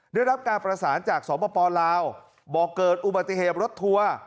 ได้รับการประสานจากสปลาวบอกเกิดอุบัติเหตุรถทัวร์